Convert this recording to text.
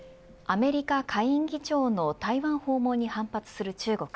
アメリカ下院議長の台湾訪問に反発する中国